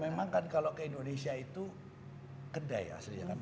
memang kan kalau ke indonesia itu kedai aslinya kan